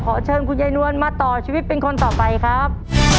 เชิญคุณยายนวลมาต่อชีวิตเป็นคนต่อไปครับ